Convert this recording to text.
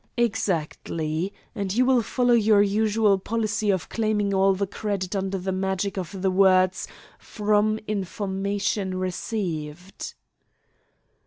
"Exactly, and you will follow your usual policy of claiming all the credit under the magic of the words 'from information received.'"